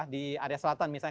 di area selatan misalnya